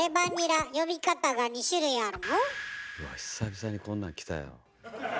久々にこんなんきたよ。